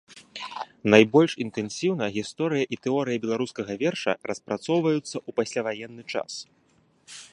Найбольш інтэнсіўна гісторыя і тэорыя беларускага верша распрацоўваюцца ў пасляваенны час.